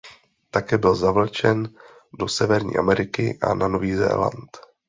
Také byl zavlečen do Severní Ameriky a na Nový Zéland.